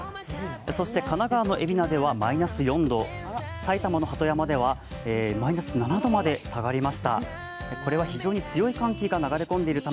そして神奈川の海老名ではマイナス４度、埼玉の鳩山ではマイナス７度まで下がりました。